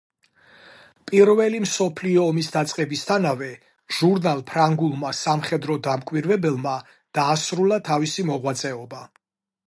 პირველი მსოფლიო ომის დაწყებისთანავე ჟურნალ ფრანგულმა „სამხედრო დამკვირვებელმა“ დაასრულა თავისი მოღვაწეობა.